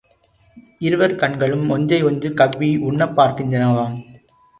இருவர் கண்களும் ஒன்றை ஒன்று கவ்வி உண்ணப் பார்க்கின்றனவாம்.